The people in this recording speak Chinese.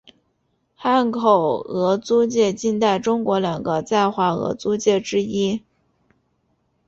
汉口俄租界近代中国两个在华俄租界之一。